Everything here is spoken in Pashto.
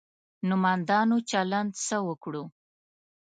نومندانو چلند څه وکړو.